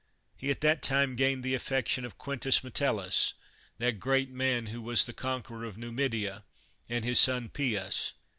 He at that time gained the affection of Quintus Metellus, that great man who was the conqueror of Numidia, and his son Pius.